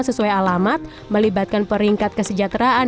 sesuai alamat melibatkan peringkat kesejahteraan